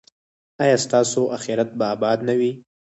ایا ستاسو اخرت به اباد نه وي؟